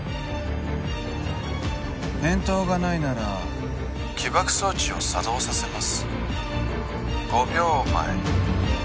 返答がないなら起爆装置を作動させます